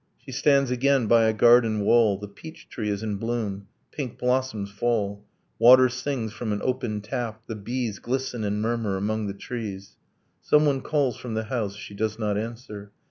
She stands again by a garden wall, The peach tree is in bloom, pink blossoms fall, Water sings from an opened tap, the bees Glisten and murmur among the trees. Someone calls from the house. She does not answer.